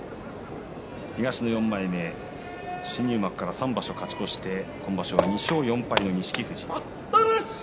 東の４枚目新入幕から３場所勝ち越して今場所は２勝４敗の錦富士。